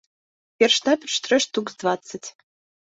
Перш-наперш трэ штук з дваццаць.